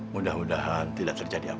mudah mudahan tidak terjadi apa